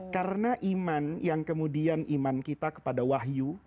karena iman yang kemudian iman kita kepada wahyu